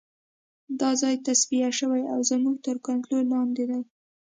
دا ځای تصفیه شوی او زموږ تر کنترول لاندې دی